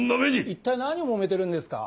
一体何をもめてるんですか？